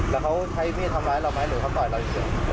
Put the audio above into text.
แล้วเขาใช้มีดทำร้ายเราไหมหรือเขาต่อยเราเฉย